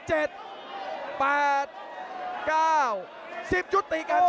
๑๐จุดตีการช่องเลยครับ